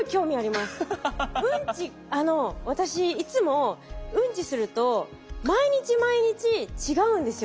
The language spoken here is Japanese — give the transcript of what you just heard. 私いつもウンチすると毎日毎日違うんですよ状態が。